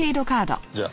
じゃあ。